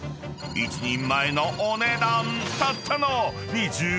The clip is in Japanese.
［１人前のお値段たったの］